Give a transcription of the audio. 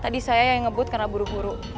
tadi saya yang ngebut karena buru buru